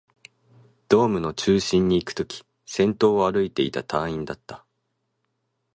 ドームの中心にいくとき、先頭を歩いていた隊員だった